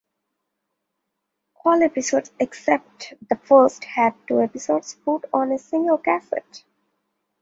All episodes, except the first, had two episodes put on a single cassette.